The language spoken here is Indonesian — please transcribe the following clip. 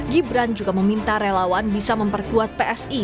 gibran juga meminta relawan bisa memperkuat psi